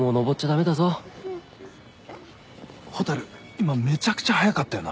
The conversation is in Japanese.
今めちゃくちゃ速かったよな。